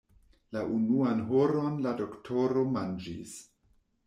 La unuan horon la doktoro manĝis.